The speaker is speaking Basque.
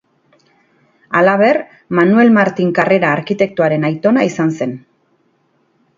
Halaber, Manuel Martin Karrera arkitektoaren aitona izan zen.